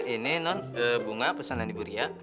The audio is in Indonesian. ini non bunga pesanan ibu ria